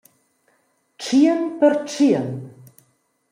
Tschien pertschien.